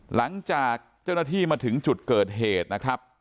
หลังจากเจ้าหน้าที่มาถึงจุดเกิดเหตุนะครับ